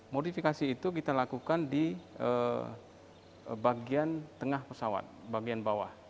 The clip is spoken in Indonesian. modifikasi itu kita lakukan di bagian tengah pesawat bagian bawah